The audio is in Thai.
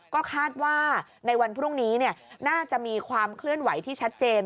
ก็คาดว่าในวันพรุ่งนี้น่าจะมีความเคลื่อนไหวที่ชัดเจน